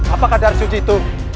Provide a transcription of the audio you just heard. apakah darah suci itu